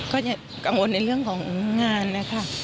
ก็จะกังวลในเรื่องของงานนะคะ